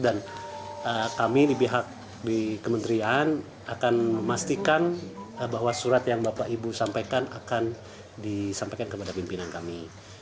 dan kami di pihak kementerian akan memastikan bahwa surat yang bapak ibu sampaikan akan disampaikan kepada pimpinan kami